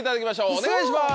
お願いします。